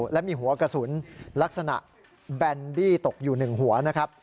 และมีหัวกระสุนลักษณะแบนดี้ตกอยู่๑หัวนะครับ